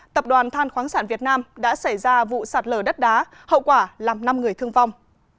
tập đoàn than khoáng sản việt nam đã xảy ra vụ sạt lở đất đá hậu quả làm năm người thương vong